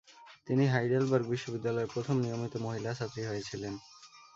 তিনি হাইডেলবার্গ বিশ্ববিদ্যালয়ের প্রথম নিয়মিত মহিলা ছাত্রী হয়েছিলেন।